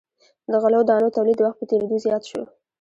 د غلو دانو تولید د وخت په تیریدو زیات شو.